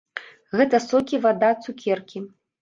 Гэта сокі, вада, цукеркі.